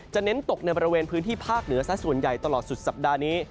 เน้นตกในบริเวณพื้นที่ภาคเหนือซะส่วนใหญ่ตลอดสุดสัปดาห์นี้